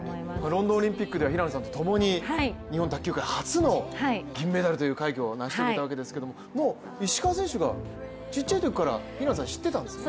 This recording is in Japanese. ロンドンオリンピックでは平野さんと共に日本卓球界初の銀メダルという快挙を成し遂げたわけですけれども、もう石川選手が小さいときから平野さん、知ってたんですよね。